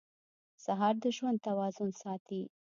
سهار د ژوند توازن ساتي.